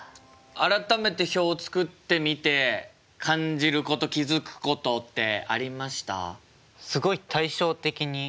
改めて表を作ってみて感じること気付くことってありました？